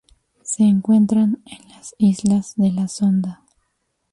Se encuentran en las Islas de la Sonda.